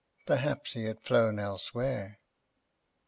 . perhaps he had flown elsewhere.